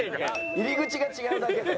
入り口が違うだけで。